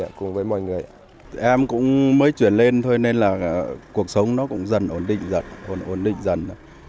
em cũng mới chuyển lên thôi nên là cuộc sống nó cũng dần ổn định dần ổn định dần